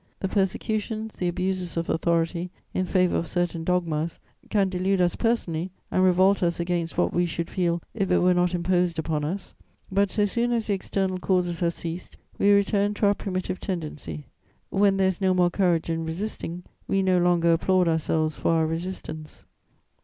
The persecutions, the abuses of authority in favour of certain dogmas can delude us personally and revolt us against what we should feel if it were not imposed upon us; but, so soon as the external causes have ceased, we return to our primitive tendency: when there is no more courage in resisting, we no longer applaud ourselves for our resistance.